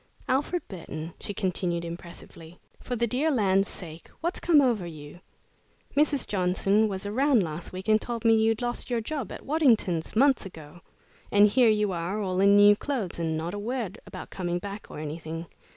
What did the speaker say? "Alfred Burton," she continued, impressively, "for the dear land's sake, what's come over you? Mrs. Johnson was around last week and told me you'd lost your job at Waddington's months ago. And here you are, all in new clothes, and not a word about coming back or anything.